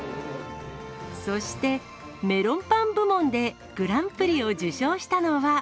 そして、メロンパン部門でグランプリを受賞したのは。